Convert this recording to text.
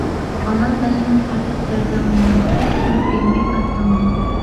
ئاناڭ مەزلۇم تارتىپ دەردىڭنى، باقتى سېنىڭ ئەگمەي قەددىڭنى.